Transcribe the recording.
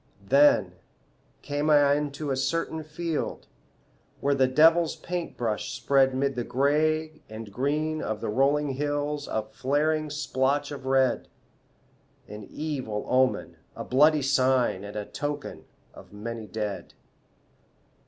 Then came I into a certain field Where the devil's paint brush spread 'Mid the gray and green of the rolling hills A flaring splotch of red, An evil omen, a bloody sign, And a token of many dead.